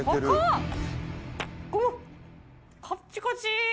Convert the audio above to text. カッチカチ！